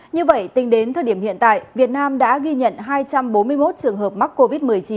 như vậy tính đến thời điểm hiện tại việt nam đã ghi nhận hai trăm bốn mươi một trường hợp mắc covid một mươi chín